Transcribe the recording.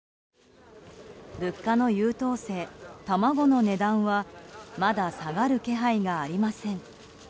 物価の優等生、卵の値段はまだ下がる気配がありません。